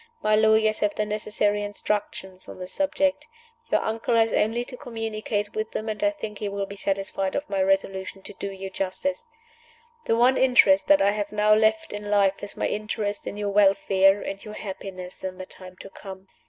My lawyers have the necessary instructions on this subject. Your uncle has only to communicate with them, and I think he will be satisfied of my resolution to do you justice. The one interest that I have now left in life is my interest in your welfare and your happiness in the time to come.